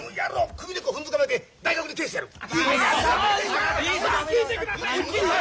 首根っこふんづかまえて大学に帰してやる！